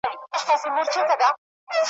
د قرائت د استادۍ مقام درلودی